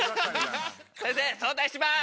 先生早退します。